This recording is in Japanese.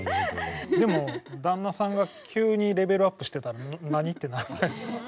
でも旦那さんが急にレベルアップしてたら何？ってならないかな。